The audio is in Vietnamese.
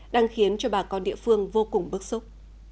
đang khiến cho bà con địa phương vô cùng bức xúc